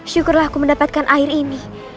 syukurlah aku mendapatkan air ini